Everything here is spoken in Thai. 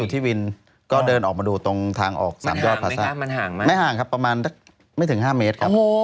พี่ยังจะเดินไปดูพี่มีกลัวลุกหลงเหรอ